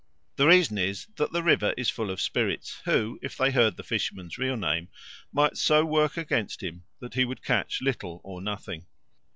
The reason is that the river is full of spirits, who, if they heard the fisherman's real name, might so work against him that he would catch little or nothing.